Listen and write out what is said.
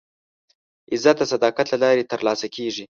عزت د صداقت له لارې ترلاسه کېږي.